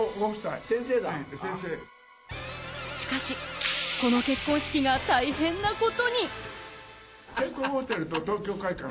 しかしこの結婚式が大変なことに！